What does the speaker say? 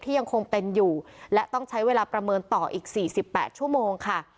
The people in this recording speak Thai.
ยังคงเป็นอยู่และต้องใช้เวลาประเมินต่ออีก๔๘ชั่วโมงค่ะ